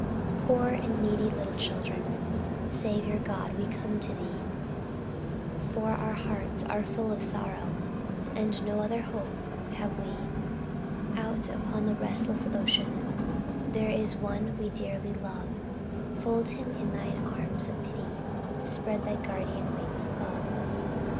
Poor and needy little children, Saviour, God, we come to Thee, For our hearts are full of sorrow, And no other hope have we. Out, upon the restless ocean, There is one we dearly love, Fold him in thine arms of pity, Spread thy guardian wings above.